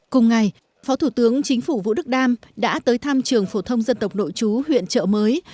cùng ngày phó thủ tướng chính phủ vũ đức đam đã tới thăm trường phổ thông dân tộc nội chú huyện trợ mới